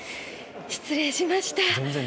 失礼しました。